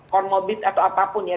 kormobit atau apapun ya